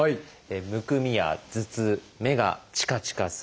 「むくみ」や「頭痛」「目がチカチカする」。